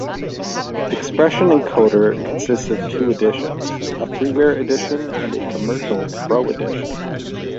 Expression Encoder consists of two editions: A freeware edition and a commercial Pro edition.